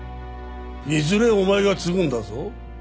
いずれお前が継ぐんだぞ。